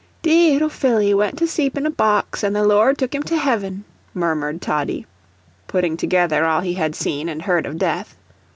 "Dee 'ittle Phillie went to s'eep in a box and the Lord took him to heaven," murmured Toddie, putting together all he had seen and heard of death.